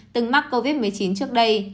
từng mắc covid một mươi chín trước đây